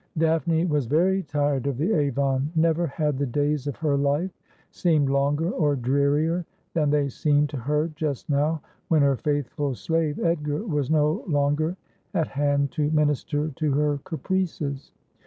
Daphne was very tired of the Avon. Never had the days of her life seemed longer or drearier than they seemed to her just now, when her faithful slave Edgar was no longer at hand to minister to her caprices.